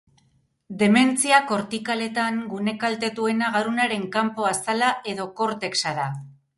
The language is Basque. Dementzia kortikaletan gune kaltetuena garunaren kanpo azala edo kortexa da.